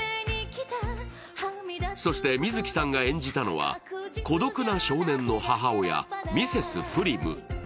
そして水樹さんが演じたのは孤独な少年の母親、ミセス・プリム。